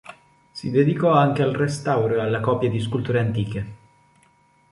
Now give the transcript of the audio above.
Si dedicò anche al restauro e alla copia di sculture antiche.